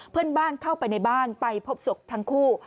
เพื่อนบ้านเข้าไปในบ้านไปพบศพทั้งคู่